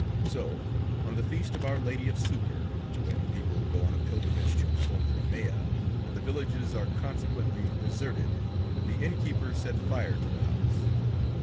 So on the "Feast of Our Lady of Succor," when people go on a pilgrimage to Font Romea, and the villages are consequently deserted, the inn keeper set fire to the house.